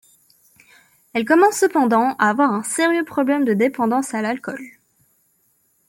Elle commence cependant à avoir un sérieux problème de dépendance à l'alcool.